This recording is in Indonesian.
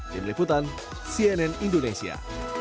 di meliputan cnn indonesia